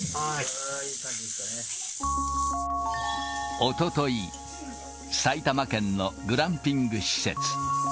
おととい、埼玉県のグランピング施設。